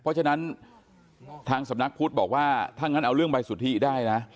เพราะฉะนั้นทางสำนักพุทธบอกว่าถ้างั้นเอาเรื่องใบสุทธิได้นะ